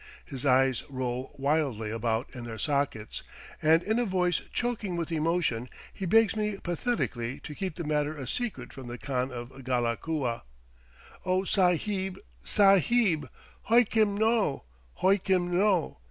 His eyes roll wildly about in their sockets, and in a voice choking with emotion he begs me pathetically to keep the matter a secret from the Khan of Ghalakua. "O Sahib, Sahib! Hoikim no, hoikim no!"